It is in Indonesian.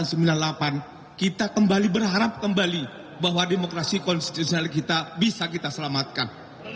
selanjutnya mas rekan wakil kamar